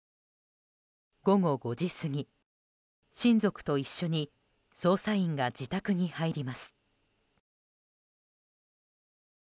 午後５時過ぎ、親族と一緒に捜査員が自宅に入ります。